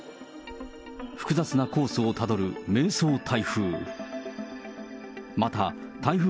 複雑なコースをたどる、迷走台風。